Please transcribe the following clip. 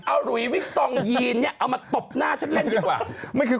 เอาหลุยวิกตองยีนเนี่ยเอามาตบหน้าฉันเล่นดีกว่า